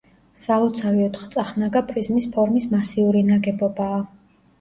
სალოცავი ოთხწახნაგა პრიზმის ფორმის მასიური ნაგებობაა.